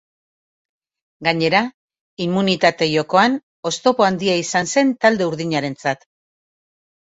Gainera, immunitate jokoan oztopo handia izan zen talde urdinarentzat.